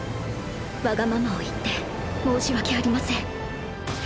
わがままを言って申し訳ありません。